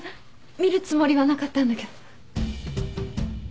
見るつもりはなかったんだけど。